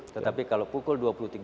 tetapi kalau pukul dua puluh tiga puluh